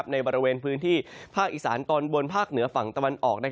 ในบริเวณพื้นที่ภาคอีสานตอนบนภาคเหนือฝั่งตะวันออก